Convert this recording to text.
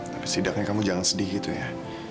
tapi sidaknya kamu jangan sedih gitu ya